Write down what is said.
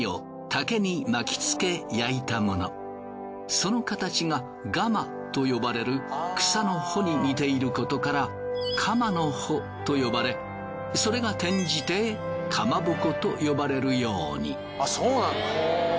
その形がガマと呼ばれる草の穂に似ていることからかまのほと呼ばれそれが転じてかまぼこと呼ばれるように。